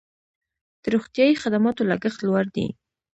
د روغتیايي خدماتو لګښت لوړ دی